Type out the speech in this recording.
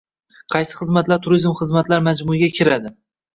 Qaysi xizmatlar turizm xizmatlar majmuiga kiradi?